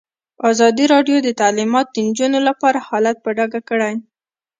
ازادي راډیو د تعلیمات د نجونو لپاره حالت په ډاګه کړی.